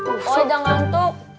oe dah ngantuk